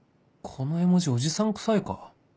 この絵文字おじさんくさいか？